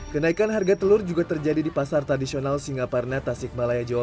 kenaikan harga telur juga terjadi di pasar tradisional singaparnet tasik malaya jawa